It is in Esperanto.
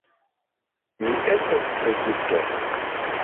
Mi estas flegisto.